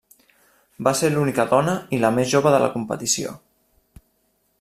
Va ser l'única dona i la més jove de la competició.